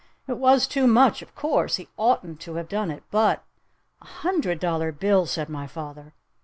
It was too much, of course. He oughtn't to have done it. But " "A hundred dollar bill!" said my father.